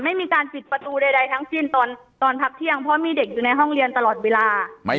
ไม่มีการปิดประตูใดทั้งสิ้นตอนพักเที่ยงเพราะมีเด็กอยู่ในห้องเรียนตลอดเวลา